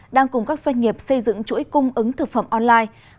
đang cùng các doanh nghiệp xây dựng chuỗi cung ứng thực phẩm online